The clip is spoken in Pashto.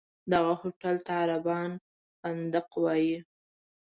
دغه هوټل ته عربان فندق وایي.